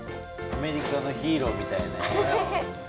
アメリカのヒーローみたいやね。